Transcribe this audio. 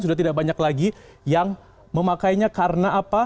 sudah tidak banyak lagi yang memakainya karena apa